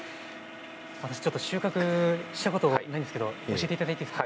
私ちょっと収穫したことがないんですけども教えていただいていいですか？